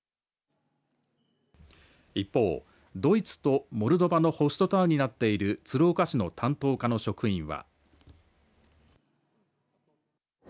一方、ドイツとモルドバのホストタウンになっている鶴岡市の担当課の職員は。